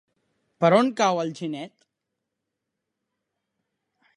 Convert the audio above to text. Per on cau Alginet?